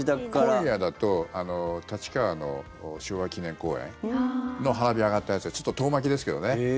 今夜だと立川の昭和記念公園の花火、上がったやつはちょっと遠巻きですけどね。